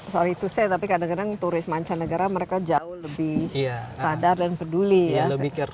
sorry to say tapi kadang kadang turis mancanegara mereka jauh lebih sadar dan peduli ya